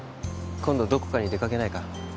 今度どこかに出かけないか？